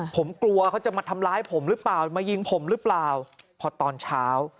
ผมกลัวเขาจะมาทำร้ายผมหรือเปล่ามายิงผมหรือเปล่าพอตอนเช้า